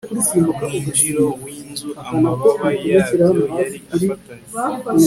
mwinjiro w inzu Amababa yabyo yari afatanye